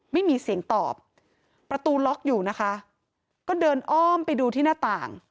ไม่มีเสียงตอบประตูล็อกอยู่นะคะก็เดินอ้อมไปดูที่หน้าต่าง